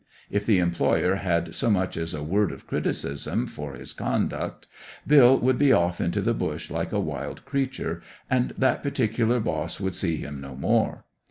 If the employer had so much as a word of criticism for his conduct, Bill would be off into the bush like a wild creature, and that particular boss would see him no more.